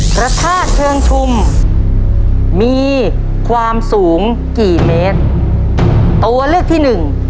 พระธาตุเชิงชุมมีความสูงกี่เมตรตัวเลือกที่หนึ่ง